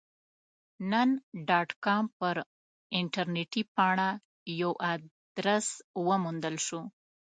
نن ډاټ کام پر انټرنیټي پاڼه یو ادرس وموندل شو.